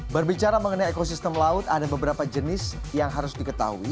berbicara mengenai ekosistem laut ada beberapa jenis yang harus diketahui